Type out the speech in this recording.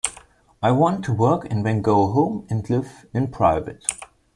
I want to work and then go home and live in private.